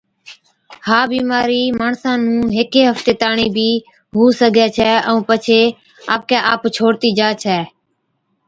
ها بِيمارِي ماڻسا نُون هيڪي هفتي تاڻِين بِي هُو سِگھَي ڇَي ائُون پڇي آپڪي آپ ڇوڙتِي جا ڇَي۔